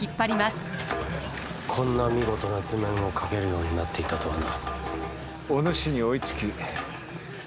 こんな見事な図面を描けるようになっていたとはな。